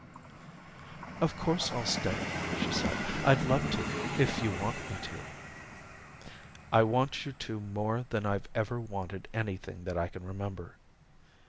"Of course, I'll stay," she said. "I'd love to, if you want me to." "I want you to more than I've ever wanted anything that I can remember."